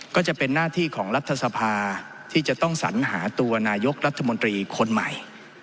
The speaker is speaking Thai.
ก็จะเป็นหน้าที่ของรัฐสภาที่จะต้องสัญหาตัวนายกรัฐมนตรีคนใหม่